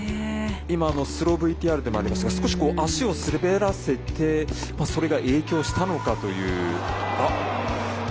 今、スローＶＴＲでもありましたが足を滑らせてそれが影響したのかという。